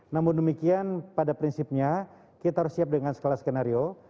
namun demikian pada prinsipnya kita harus siap dengan skala skenario